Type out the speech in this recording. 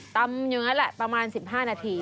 ตำอย่างนั้นแหละประมาณ๑๕นาที